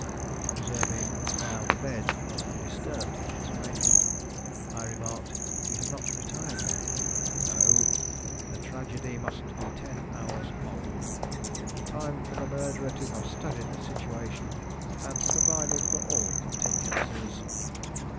Observing now that the bed was undisturbed in its arrangement, I remarked, "He had not retired, then?" "No; the tragedy must be ten hours old. Time for the murderer to have studied the situation and provided for all contingencies."